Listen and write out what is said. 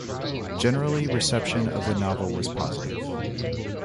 Generally reception of the novel was positive.